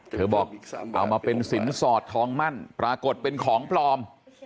เธอบอกเอามาเป็นสินสอดทองมั่นปรากฏเป็นของปลอม